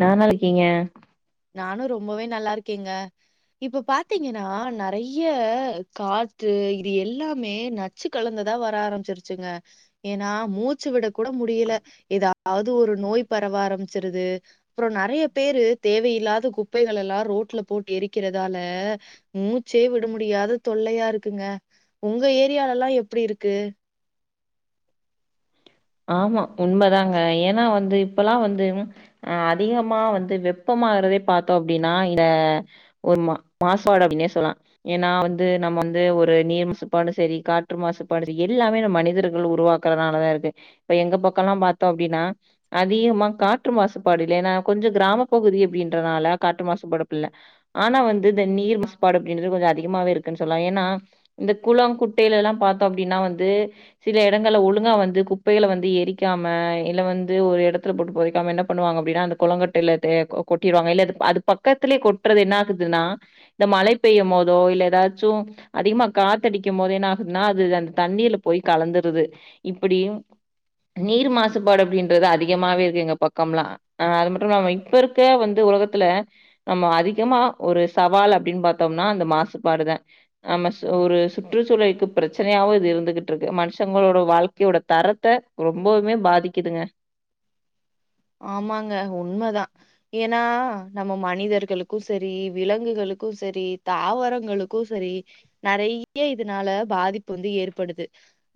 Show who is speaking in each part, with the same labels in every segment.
Speaker 1: நா நல்லா இருக்கேங்க
Speaker 2: நானு ரொம்பவே நல்லா இருக்கேங்க இப்ப பாத்தீங்கன்னா நெறைய காத்து இது எல்லாமே ந நச்சு கலந்ததா வர ஆரமிச்சிருச்சிங்க ஏன்னா மூச்சு விட கூட முடியல ஏதாவது ஒரு நோய் பரவ ஆரம்பிச்சிருது அப்றோ நறைய பேரு தேவயில்லாத குப்பைகள எல்லா ரோட்ல போட்டு எரிக்கிறதால மூச்சே விட முடியாத தொல்லையா இருக்குங்க உங்க ஏரியாலல்லா எப்டி இருக்கு
Speaker 1: ஆமா உண்மதாங்க ஏன்னா வந்து இப்பல்லா வந்து அ அதிகமா வந்து வெப்பமாகறதே பாத்தோ அப்டின்னா இந்த ஒரு மா மாசாடு அப்னே சொல்லலா ஏன்னா வந்து நம்ம வந்து ஒரு நீர் மாசுப்பாடு செரி காற்று மாசுப்பாடு செரி எல்லாமே மனிதர்கள் உருவா க்கறனாலதா இருக்கு இப்ப எங்க பக்கோல்லா பாத்தோ அப்டின்னா அதிகமா காற்று மாசுபாடு இல்ல ஏன்னா கொஞ்சோ கிராம பகுதி அப்டின்றனால காற்று மாசுபாடு அப்டி இல்ல ஆனா வந்து இந்த நீர் மாசுபாடு அப்டின்றது கொஞ்சோ அதிகமாவே இருக்குன் சொல்லலா ஏன்னா இந்த குளோ குட்டையிலல்லா பாத்தோ அப்டின்னா வந்து சில எடங்கள்ல ஒழுங்கா வந்து குப் குப்பைகள வந்து எரிக்காம இல்ல வந்து ஒரு எடத்துல போட்டு பொதைக்காம என்ன பண்ணுவாங்க அப்டின்னா அந்த கொளோ குட்டைல தேக்கோ கொட்டிருவாங்க இல்ல அது அது பக்கத்துலயே கொட்றது என்ன ஆகுதுன்னா இந்த மழை பெய்யு போதோ இல்ல ஏதாச்சு அதிகமா காத்தடிக்கு போது என்ன ஆகுதுன்னா அது அந்த தண்ணீல போய் கலந்துருது இப்டியு நீர் மாசுபாடு அப்டின்றது அதிகமாவே இருக்கு எங்க பக்கம்லா ஆ அது மட்டும் இல்லாம இப்ப இருக்க வந்து உலகத்துல நம்ம அதிகமா ஒரு சவால் அப்டின் பாத்தோம்னா அந்த மாசுபாடுதா நம்ம சு ஒரு சுற்றுச்சூழலுக்கு பிரச்சனையாவு இது இருந்துகிட்டு இருக்கு மனுஷங்களோட வாழ்க்கையோட தரத் த்த ரொம்பவுமே பாதிக்குதுங்க
Speaker 2: ஆமாங்க உண்மதா ஏன்னா நம்ம மனிதர்களுக்கு செரி விலங்குகளுக்கு செரி தாவரங்களுக் க்கு செரி நறைய இதனால பாதிப்பு வந்து ஏற்படுது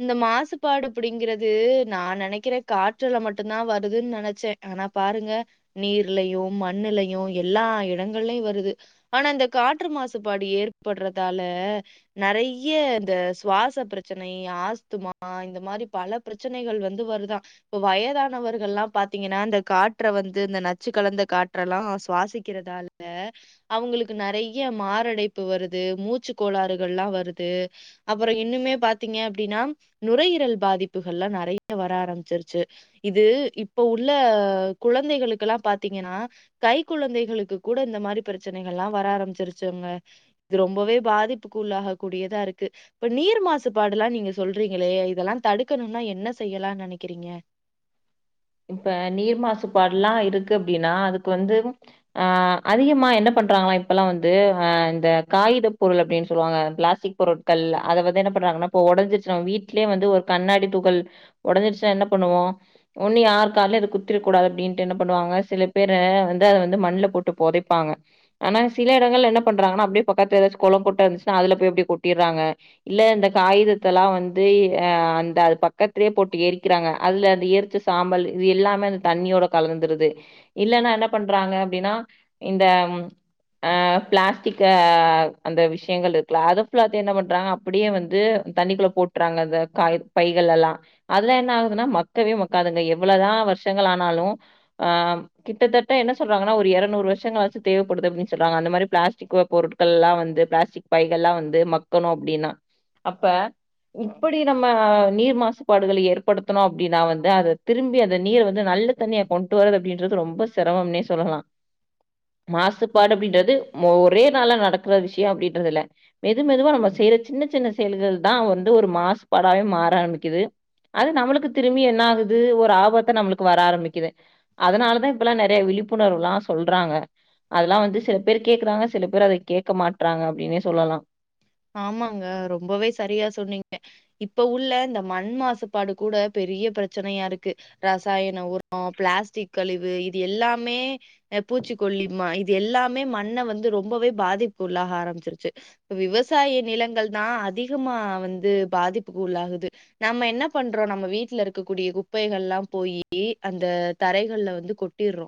Speaker 2: இந்த மாசுபாடு அப்டிங்கிறது நா நெனைக்கிற காற்றுல மட்டுதா வருதுன் நென ச்ச ஆனா பாருங்க நீர்லயு மண்ணுலயு எல்லா இடங்கள்லயு வருது ஆனா இந்த காற்று மாசுபாடு ஏற்பட்றதால நறைய இந்த சுவாச பிரச்சனை ஆஸ்துமா இந்த மாரி பல பிரச்சனைகள் வந்து வருதா இப்ப வயதானவர்கள்லா பாத் பாத்தீங்கன்னா இந்த காற்ற வந்து இந்த நச்சு கலந்த காற்ற எல்லா சுவாசிக்கிறதால அவுங்களுக்கு நறைய மாரடைப்பு வருது மூச்சு கோளாறுகள்லா வருது அப்றோ இன்னுமே பாத்தீங்க அப்டின்னா நுரையீரல் பாதிப்புகள்லா நறைய வர ஆரம்பிச்சிருச்சி இது இப்ப உள்ள குழந்தைகளுக்கெல்லா பாத்தீங்கன்னா கை குழந்தைகளுக்கு கூட இந்த மாரி பிரச்சனைகள் எல்லா வர ஆரம்பிச்சிருச்சுங்க இது ரொம்பவே பாதிப்புக்குள்ளாக கூடியதா இருக்கு இப்ப நீர் மாசுபாடுல்லா நீங்க சொல்றீங்களே இதெல்லா தடுக்கணும்னா என்ன செய்யலானு நெனைக்கிறீங்க
Speaker 1: இப்ப நீர் மாசுபாடுல்லா இருக்கு அப்டின்னா அதுக்கு வந்து ஆ அதிகமா என்ன பண்றாங்ளா இப்பெல்லா வந்து அ இந்த காகித பொருள் அப்டின் சொல்லுவாங்க பிளாஸ்டிக் பொருட்கள் அத வந்து என்ன பண்றாங்கன்னா இப்போ ஒடஞ்சிருச்சுனா வீட்லயே வந்து ஒரு கண்ணாடி துகள் ஒடஞ்சிடுச்சா என்ன பண்ணுவோ ஒண்ணு யார் காலயு அது குத்திரக்க கூடாது அப்டின்ட்டு என்ன பண்ணுவாங்க சில பேர் வந்து அத வந்து மண்ணுல போட்டு பொதைப்பாங்க ஆனா சில இடங்கள்ல என்ன பண்றாங்கன்னா அப்டியே பக்கத்ல ஏதாச்சு கொளோ குட்ட இருந்துச்சுன்னா அதுல போய் அப்டி கொட்டிறாங்க இல்ல இந்த காகிதத்தல்லா வந்து அ அந்த அது பக்கத்லயே போட்டு எரிக்கிறாங்க அதுல அந்த எரிச்ச சாம்பல் இது எல்லாமே அந்த தண்ணியோட கலந்துருது இல்லன்னா என்ன பண்றாங்க அப்டின்னா இந்தம் அ பிளாஸ்டிக்க அந்த விஷயங்கள் இருக்குல அதபுல்லாத என்ன பண்றாங்க அப்படியே வந்து தண்ணிக்குள்ள போட்டுறாங்க அந்த காய பைகள் எல்லா அதுல என்ன ஆகுதுன்னா மக்கவே மக் க்காதுங்க எவ்வளதா வருஷங்கள் ஆனாலு ஆ கிட்டத்தட்ட என்ன சொல்றான்னா ஒரு எரநூறு வருஷங்களாச்சு தேவப்படுது அப்டின்னு சொல்றாங்க அந்தமாரிப்ளாஸ்ட்டிக் ஓ போர் கல்லா வந்து பிளாஸ்டிக் பைகள் ல்லா வந்து மக்கணு அப்டின்னா அப்ப இப்படி நம்ம நீர் மாசுபாடுகளை ஏற்படுத்தணு அப்டினா வந் அதை திரும்பி அந்த நீரை வந்து து து அது திருப்பி அந்தநீர வந்து நல்ல தண்ணியா கொண்டு வரது அப்படின்றது ரொம்ப சிரமம்னே சொல்லலா மாசுபாடு அப்படின்றது ஒரே நாள நடக்கற விஷயோ அப்டின்றது இல மெதுமெதுவா நம்ம செய்யற சின்ன சின்ன செயல்கள் தா வந்து ஒரு மாசுபாடாவே மாற ஆரம்பிக்குது அது நம்மளுக்கு திரும்பி என்ன ஆகுது ஒரு ஆபத்த நம்மளுக்கு வர ஆரம்பிக்குது அதனாலதா இப்பல்லா நிறைய விழிப்புணர்வுல்லா சொல்றாங்க அதெல்லா வந்து சில பேர் கேக்குறாங்க சில பேர் அத கேக்க மாட்டறாங்க அப்டின்னே சொல்லலா
Speaker 2: ஆமாங்க ரொம்பவே சரியா சொன்னீங்க இப்ப உள்ள இந்த மண் மாசுபாடு கூட பெரிய பிரச்சனயா இருக்கு ரசாயன உரோ பிளாஸ்டிக் கழிவு இது எல்லாமே பூச்சிக்கொல்லிமா இது எல்லாமே மண்ண வந்து ரொம்பவே பாதிப்புக்குள்ளாக ஆரம்பிச்சிருச்சு விவஸ் விவசாய நிலங்கள் தா அதிகமா வந்து பாதிப்புக்கு உள்ளாகுது நம்ம என்ன பண்றோ நம்ம வீட்டுல இருக்கக்கூடிய குப்பைகளல்லா போயி அந்த தரைகள்ல வந்து கொ அட்டிற்றோ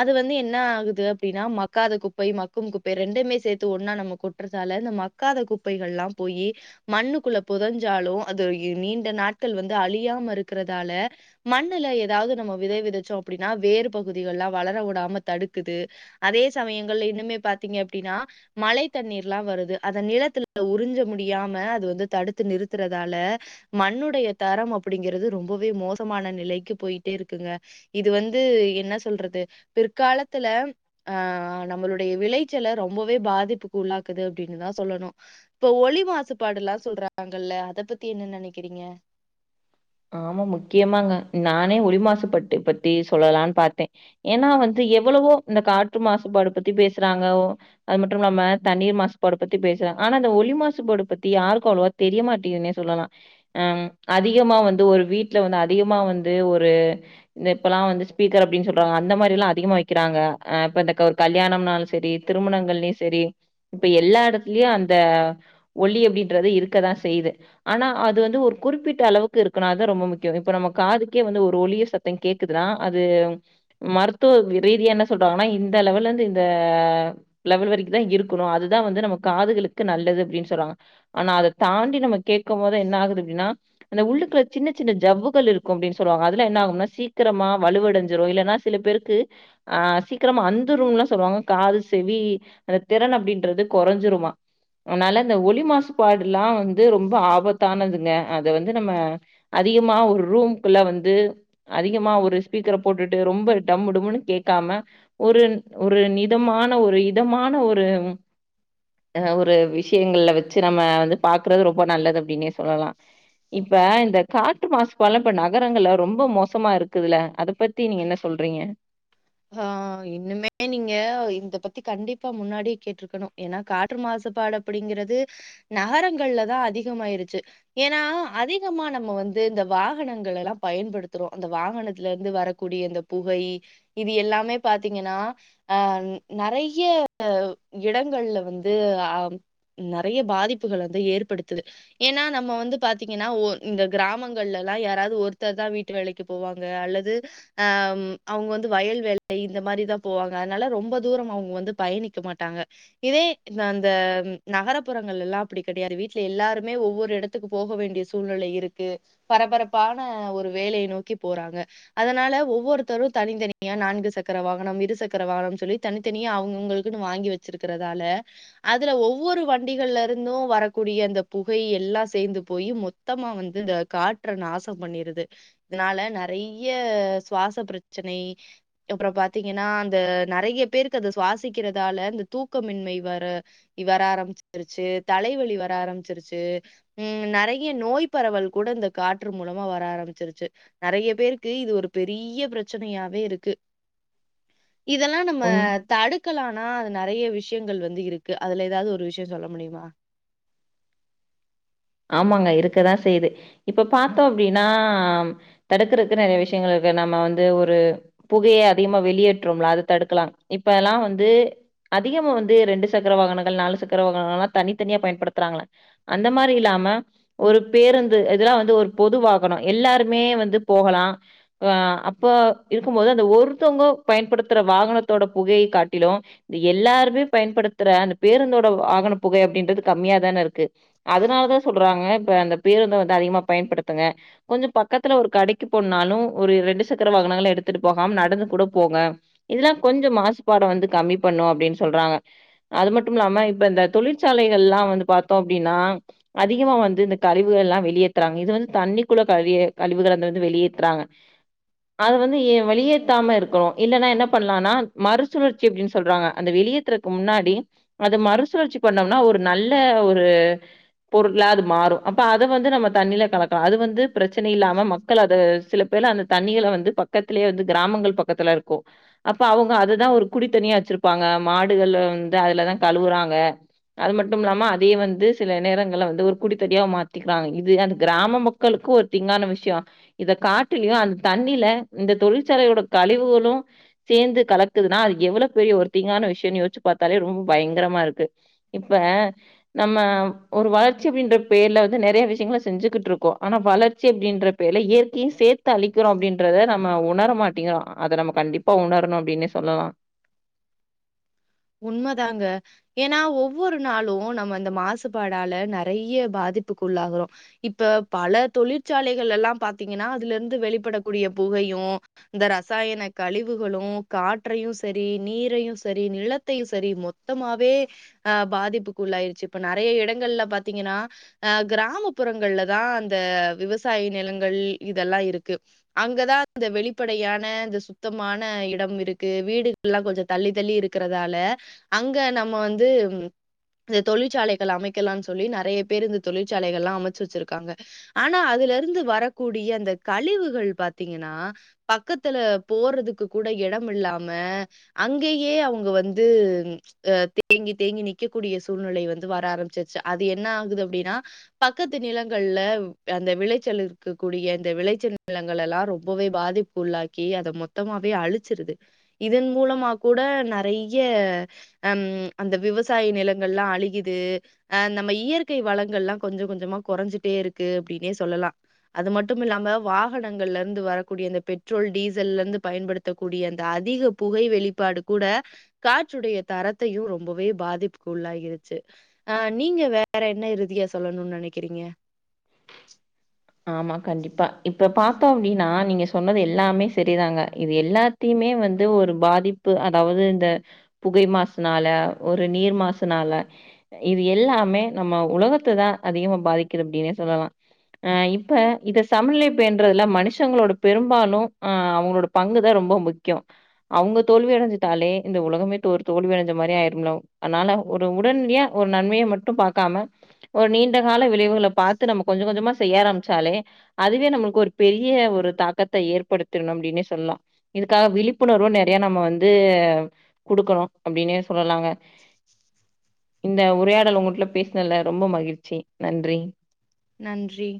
Speaker 2: அது வந்து என்ன ஆகுது அப்டின்னா மக்காத குப்பை மக்கும் குப்பை ரெண்டுமே சேத்து ஒன்னா நம்ம கொட்டுறச்சால இந்த மக் க்காத குப்பைகள்ல்லாம் போயி மண்ணுக்குள்ள புதஞ்சாலு அது நீண்ட நாட்கள் வந்து அழியாம இருக்கிறதால மண்ணுல ஏதாவுது நம்ம விதை விதைச்சோ அப்டின்னா வேறு பகுதிகள் எலாம் வளர விடாம தடுக்குது அதே சமயங்கள்ல இன்னுமே பாத்தீங்க அப்டின்னா மழை தண்ணீர்ல்லா வருது அந்த நிலத்துல உறிஞ்ச முடியாம அது வந்து தடுத்து நிறுத்துறதால மண்ணுடைய தரம் அப்படிங்கிறது ரொம்பவே மோசமான நிலைக்கு போயிட்டே இருக்குங்க இது வந்து என்ன சொல்றது பிற்காலத்துல ஆ நம்மளுடைய விளைச்சல ரொம்பவே பாதிப்புக்கு உள்ளாக்குது அப்டின்னுதாஸ் சொல்லணு இப்ப ஒலி மாசுபாடுல்லா சொல்றாங்கல்ல அத பத்தி என்ன நினைக்கிறீங்க
Speaker 1: ஆமா முக்கியமாங்க நானே ஒளி மாசுபட்டு பத்தி சொல்லலான்னு பாத்தே ஏன்னா வந்து எவ்வளவோ இந்த காற்று மாசுபாடு பத்தி பேசுறாங்கவ் அது மட்டு இல்லாம தண்ணீர் மாசுபாடு பத்தி பேசுறோ ஆனா அந்த ஒலி மாசுபடு பத்தி யாருக்கு அவ்ளவா தெரியமாட்டேதுன்னே சொல்லலா அம் அதிகமா வந்து ஒரு வீட்டுல வந்து அதிகமா வந்து ஒரு இந்த இப்பெல்லா வந்து ஸ்பீக்கர் அப்டின்னு சொல்றாங்க அந்த மாரி எல்லா அதிகமா வைக்கிறாங்கஹப்ப இந்த ஒரு கல்யாணம்னாலு சரி திருமணங்கள்ளயு செரி இப்ப எல்லா இடத்துலயு அந்த ஒலி அப்படின்றது இருக்கதா செய்யுது ஆனா அது வந்து ஒரு குறிப்பிட்ட அளவுக்கு இருக் னாதா ரொம்ப முக்கியோ இப்ப நம்ம காதுக்கே வந்து ஒரு ஒளிய சத்தோ கேக்குதுன்னா அது மருத்துவ ரீதிய என்ன சொல்றாங்கன்னா இந்த லெவல்ல இருந்து இந்த லெவல் வரைக்கும்தான் இருக்கணும் அதுதான் வந்து நம்ம காதுகளுக்கு நல்லது அப்படின்னு சொல்றாங்க ஆனா அத தாண்டி நம்ம கேக்கும் போது என்ன ஆகுது அப்படின்னா அந்த உள்ளுக்கு சின்ன சின்ன ஜவ்வுகள் இருக்கும் அப்படின்னு சொல்லுவாங்க அதுல என்ன ஆகும்னா சீக்கிரமா வலுவ அடைஞ்சிடும் இல்லைன்னா சில பேருக்கு ஆ சீக்கிரமா அந்துரும்லா சொல்லுவாங்க காது செவி அந்த திறன் அப்படின்றது குறைஞ்சிருமா அனால இந்த ஒலி மாசுபாடுலா வந்து ரொம்ப ஆபத்தானதுங்க அத வந்து நம்ம அதிகமா ஒரு ரூம்க்குள்ள வந்து அதிகமா ஒரு ஸ்பீக்கர போட்டுட்டு ரொம்ப டம் டும்முன்னு கேட்காம ஒரு ஒரு நிதமான ஒரு இதமான ஒரு ஆ ஹ ஒரு விஷயங்கள்ல வச்சு நம்ம வந்து பாக்குறது ரொம்ப நல்லது அப்படின்னே சொல்லலாம் இப்ப இந்த காற்று மாசபாலாம் இப்ப நகரங்கள்ல ரொம்ப மோசமா இருக்குதுல்ல அத பத்தி நீங்க என்ன சொல்றீங்க
Speaker 2: ஆ இன்னுமே நீங்க இந்த பத்தி கண்டிப்பா முன்னாடி கேட்டிருக்கணும் ஏனா காற்று மாசுபாட அப்படிங்கறது நகரங்கள்ல தான் அதிகமாயிருச்சு ஏனா அதிகமா நம்ம வந்து இந்த வாகனங்கள் எல்லாம் பயன்படுத்துறோம் அந்த வாகனத்துல இருந்து வரக்கூடிய இந்த கை இது எல்லாமே பாத்தீங்கன்னா அ நறைய இடங்கள்ல வந்து அ நறைய பாதிப்புகள் வந்து ஏற்படுத்துது ஏனா நம்ம வந்து பாத்தீங்கன்னா ஓ இந்த கிராமங்கள்லலா யாராது ஒருத்தர் தான் வீட் ட்டு வேலைக்கு போவாங்க அல்லது அ அவங்க வந்து ந்து வயல் வேலை இந்த மாதிரிதான் போவாங்க அதனால ரொம்ப தூரம் அவங்க வந்து பயணிக்க மாட்டாங்க இதே இந்த அந்த நகரபுறங்கள்லலா அப்டி கடையாது வீட்டுல எல்லாருமே ஒவ்வொரு எடத் ட்டுக்கு போக வேண்டிய சூழ்நிலை இருக்கு பரபரப்பான ஒரு வேலையை நோக்கி போறாங்க அதனால ஒவ்வொருத்தரும் தனித்தனி னியா நான்கு சக்கர வாகனம் இரு சக்கர வாகனம்னு சொல்லி தனித்தனியா அவங்கவுங்களுக்குன்னு வாங்கி வச்சிருக்கிறதால அதுல ஒவ்வொரு வண்டிகள்ல இருந்தும் வரக்கூடிய அந்த புகை எல்லாம் சேர்ந்து போய் மோ த்தமா வந்து இந்த காற்ற நாசம் பண்ணிருது இதனால நறைய சுவாச பிரச்சனை அப்ரோ பாத்தீங்கன்னா அந்த நறைய பேருக்கு அத சுவாசிக்கிறதால அந்த தூக்கமின்மை வர வர ஆரம்பிச்சிருச்சு தலைவழி வர ஆரம்பிச்சிருச்சு ம் நறைய நோய் பரவல் கூட இந்த காற்று மூலமா வர ஆரம்பிச்சிருச்சு நறைய பேருக்கு இது ஒரு பெரிய பிரச்சனையா வெ இருக்கு இதெல்லாம் நம்ம
Speaker 1: உண்
Speaker 2: தடுக்கலானா அது நறைய விஷயங்கள் வந்து இருக்கு அதுல ஏதாவது ஒரு விஷயம் சொல்ல முடியுமா
Speaker 1: ஆமாங்க இருக்கதான் செய்யுது இப்ப பாத்தோம் அப்டின்னா தடுக்கறக்கு நறைய விஷயங்கள் இருக்கு நம்ம வந்து ஒரு புகைய அதிகமா வெளியேற்றோம்லா அத தடுக்கலாம் இப்ப எல்லாம் வந்து அதிகமா வந்து ரெண்டு சக்கர வாகனங்கள் நாலு சக்கர வாகனங்கள்லாம் தனித்தனியா பயன்படுத்துறாங்கலா அந்த மாரி இல்லா ம ஒரு பேருந்து இதெல்லாம் வந்து ஒரு பொதுவாகனம் எல்லாருமே வந்து போகலாம் ஆ அப்போ இருக்கும்மோது அந்த ஒருத்தவங்க பயன்படுத்துற வாகனத்தோட புகையை காட்டிலும் இந்த எல்லாருமே பயன்படுத்துற அந்த பேருந்தோட வாகன புகை அப்படின்றது கம்மியாதானே இருக்கு அதனாலதான் சொல்றாங்க இப்ப அந்த பேருந்த வந்து அதிகமா பயன்படுத்துங்க கொஞ்சோ பக்கத்துல ஒரு கடைக்கு பொண்ணாலும் ஒரு ரெண்டு சக்கர வாகனங்களளை எடுத்துட்டு போகாம நடந்து கூட போங்க இதெல்லா கொஞ்ச மாசுபாட வந்து கம்மி பண்ணு அப்டின்னு சொல்றாங்க அது மட்டு இல்லாம இப்ப இந்த தொழிற்சாலைகள் எல்லா வந்து பாத்தோ அப்டின்னா அதிகமா வந்து இந்த கழிவுகள் எல்லா வெளியேத்துறாங்க இது வந்து தண்ணிக்குள்ள கழிய கழிவுகளை அந்த வந்து வெளியேத்துறாங்க அதது வந்து வெளியேத்தாம இருக்கணு இல்லன்னா என்ன பண்ணலாம்னா மறுசுழற்ச்சி அப்டின்னு சொல்றாங்க அந்த வெளியே க்கு முன்னாடி அது மறுசுழற்சி பண்ணோம்னா ஒரு நல்ல ஒரு பொருள்ளாது மாறு அப்ப அது வந்து நம்ம தண்ணியில கலக்கலா அது வந்து பிரச்சனை இல்லாம மக்கள் அத சில ல்ல அந்த தண்ணிகளை வந்து பக்கத்திலேயே வந்து கிராமங்கள் பக்கத்துல இருக்கு அப்ப அவங்க அததா ஒரு குடித்தண்ணியா வச்சிருப்பாங்க மாடுகள் வந்து அதுலதா கழுவுறாங்க அது மட்டு இல்லாம அதே வந்து சில நேரங்கள் வந்து ஒரு குடித்தடியா மாத்திக்கிறாங்க இது அந்த கிராம மக்களுக்கு ஒரு தீங்கான விஷய இத காட்டிலயு அந்த தண்ணில இந்த தொழிற்சாலையோட கழிவுகளு சேர்ந்து கலக்குதுனா அது எவ்வளவு பெரிய ஒரு தீங்கான விஷயம்னுயோச்சு பாத்தாலே ரொம்ப பயங்கரமா இருக்கு இப்ப நம்ம ஒரு வளர்ச்சி அப்டின்ற பேர்ல வந்து நெறைய விஷயங்களை செஞ்சுகிட்டு இருக்கோ ஆனா வளர்ச்சி அப்டின்ற பேர்ல இயற்கையு சேர்த்து த்த அழிக்கிறோ அப்டின்றத நம்ம உணரமாட்டேங்கரோ அத நம்ம கண்டிப்பா உணரணு அப்டின்னே சொல்லலா
Speaker 2: உண்மதாங்க ஏன்னா ஒவ்வொரு நாளு நம்ம அந்த மாசுபாடால நெறைய பாதிப்புக்கு உள்ளாகிறோ இப்ப பல தொழிற்சாலைகள் எல்லா பாத்தீங்கன்னா அதுல இருந்து வெளிப்படக்கூடிய புகையு இந்த ரசாயன கழிவுகளு காற்றையு சரி நீரையு சரி நிலத் த்தையு சரி மொத்தமாவே அ பாதிப்புக்குள்ள ஆயிருச்சு இப்ப நெறைய இடங்கள்ல பாத்தீங்கன்னா அ கிராமப்புறங்கள்ல தா அந்த விவசாய நிலங்கள் இதெல்லா இருக்கு அங்கதா இந்த வெளிப்படையான இந்த சுத்தமான இடம் இருக்கு வீடுகள் எல்லா கொஞ்ச தள்ளி தள்ளி இருக்கற இதால அங்க நம்ம வந்து ம் இந்த தொழிற்சாலைகள் அமைக்கலானு சொல்லி நெறைய பேர் இந்த தொழிற்சாலைகள் எல்லா அமைச்சு வச்சிருக்காங்க ஆனா அதுல இருந்து வரக்கூடிய அந்த கழிவுகள் பாத்தீங்கன்னா பக்கத்துல போறதுக்கு கூட இடம் இல்லாம அங்கேயே அவங்க வந்து இது அ தேங்கி தேங்கி நிக்கக்கூடிய சூழ்நிலை வந்து வர ஆரமிச்சிருச்சு அது என்ன ஆகுது அப்டின்னா பக்கத்து நிலங்கள்ல அந்த விளைச்சல் இருக்கக் கூடிய இந்த விளைச்சல் நிலங்கள் எல்லா ரொம்பவே பாதிப் உள்ளாக்கி அத மொத்தமாவே அழிச்சிருது இதன் மூலமா கூட நெறைய ஹம் அந்த விவசாய நிலங்கல்லா அழியிது அ நம்ம இயற்கை வளங்கல்லா கொஞ்ச கொஞ்சமா குறைஞ்சிட்டே இருக்கு அப்டின்னே சொல்லலா அது மட்டும் இல்லாம வாகனங்கள்ல இருந்து வரக்கூடிய அந்த பெட்ரோல் டீசல்ல இருந்து பயன்படுத் த்தக்க கூடிய அந்த அதிக புகை வெளிப்பாடு கூட காற்றுடைய தரத்தையு ரொம்பவே பாதிப்புக்கு உள்ளாகிருச்சு ஆ நீங்க வேற என்ன இறுதியா சொல்லணுனு நினைக்கிறீங்க
Speaker 1: ஆமா கண்டிப்பா இப்ப பாத்தோ அப்டின்னா நீங்க சொன்னது எல்லாமே சரிதாங்க இது எல்லா த்தியுமே வந்து ஒரு பாதிப்பு அதாவது இந்த புகை மாசுனால ஒரு நீர் மாசுனால இது எல்லாமே நம்ம உலகத்த தா அதிகமா பாதிக்கிறது அப்டின்னே சொல்லலாம் ஆ இப்ப இத சமநிலைப்பேன்றதுல மனுஷங்களோட பெரும்பாலு ஆ அவங்களோட பங்குதா ரொம்ப முக்கிய அவங்க தோல்வி அடைஞ்ட்டாலே இந்த உலகமே ஒரு தோல்வி அடைஞ்ச மாதிரி ஆயிரலு ப்ரோ அதனால ஒரு உடனடியா ஒரு நன்மையை மட்டு பாக்காம ஒரு நீண்ட கால விளைவுகளை பாத்து நம்ம கொஞ்ச கொஞ்சமா செய்ய ஆரம்பிச்சாலே அதுவே நம்மளுக்கு ஒரு பெரிய ஒரு தாக்கத்த ஏற்படுத்தணு அப்டின்னே சொல்லு இதுக்காக விழிப்புணர்வும் நெறைய நம்ம வந்து குடுக்கணு அப்படின்னே சொல்லலாங்க இந்த உரையாடல் உங்கிட்ல பேசினல்ல ரொம்ப மகிழ்ச்சி நன்றி
Speaker 2: நன்றி